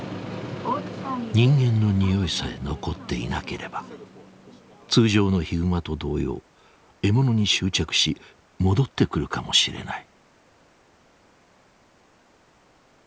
人間のにおいさえ残っていなければ通常のヒグマと同様獲物に執着し戻ってくるかもしれない。